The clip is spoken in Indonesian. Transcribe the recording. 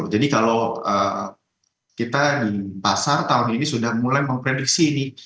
jadi kalau kita di pasar tahun ini sudah mulai mengprediksi ini